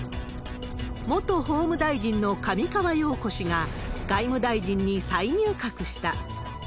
元法務大臣の上川陽子氏が、外務大臣に再入閣した。